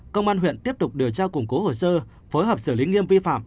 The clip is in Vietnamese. công an huyện tiếp tục điều tra củng cố hồ sơ phối hợp xử lý nghiêm vi phạm